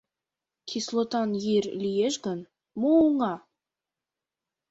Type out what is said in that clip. Кислотан йӱр лиеш гын, мо уҥа?